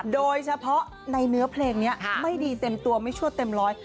โดยเฉพาะในเนื้อเพลงนี้ไม่ดีเต็มตัวไม่ชั่วเต็มร้อย